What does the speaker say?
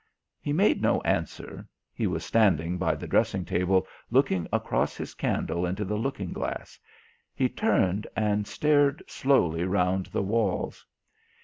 He made no answer; he was standing by the dressing table looking across his candle into the looking glass; he turned and stared slowly round the walls.